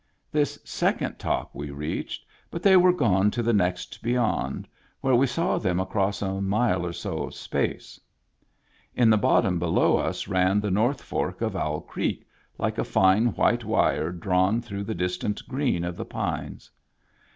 This sec ond top we reached, but they were gone to the next beyond, where we saw them across a mile or so of space. In the bottom below us ran the north fork of Owl Creek like a fine white wire drawn through the distant green of the pines.